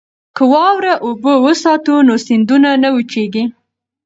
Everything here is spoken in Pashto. که واوره اوبه وساتو نو سیندونه نه وچیږي.